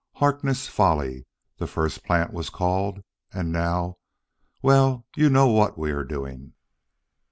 'Harkness' Folly,' the first plant was called. And now well you know what we are doing."